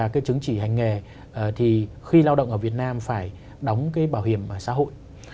và chứng chỉ hành nghề thì khi lao động ở việt nam phải đóng bảo hiểm xã hội